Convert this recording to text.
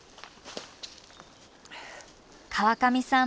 川上さん